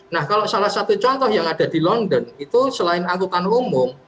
nah kalau salah satu contoh yang ada di london itu selain angkutan umum